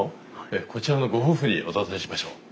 こちらのご夫婦にお尋ねしましょう。